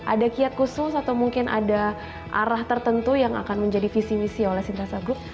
ada kiat khusus atau mungkin ada arah tertentu yang akan menjadi visi misi oleh sintasa group